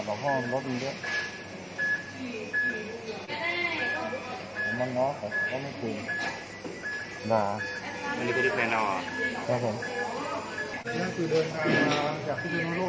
ถ้าคุณขึ้นจุดน้องโรกมาเมื่อไหร่